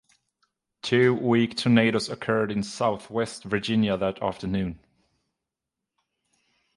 Two weak tornadoes occurred in Southwest Virginia that afternoon.